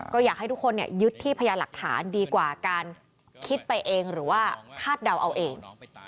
ก็อยากให้ทุกคนยึดที่พญาหลักฐานดีกว่าการคิดไปเองหรือว่าคาดเดาเอาเอง